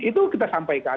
itu kita sampaikan